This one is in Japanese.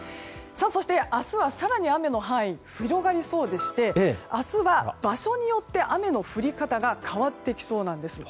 そして、明日は更に雨の範囲が広がりそうでして明日は場所によって雨の降り方が変わってきそうなんです。